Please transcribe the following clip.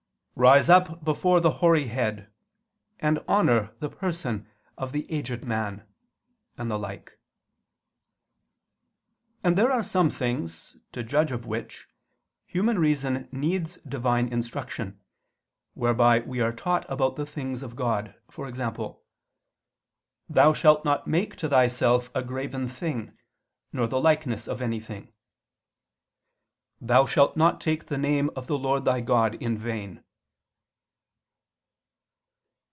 "Rise up before the hoary head, and honor the person of the aged man," and the like. And there are some things, to judge of which, human reason needs Divine instruction, whereby we are taught about the things of God: e.g. "Thou shalt not make to thyself a graven thing, nor the likeness of anything"; "Thou shalt not take the name of the Lord thy God in vain."